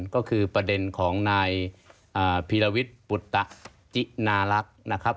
ก็คือประเด็นของนายพีรวิทย์ปุตตจินาลักษณ์นะครับ